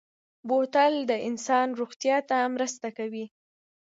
بوتل د انسان روغتیا ته مرسته کوي.